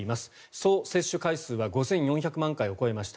総接種回数は５４００万回を超えました。